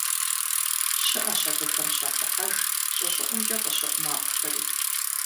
Щыӏэщ абыхэм щахыхьэж щӏы щӏыӏумкӏэ къыщыӏу макъхэри.